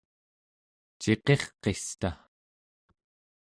ciqirqista